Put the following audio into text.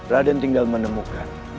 raden tinggal menemukan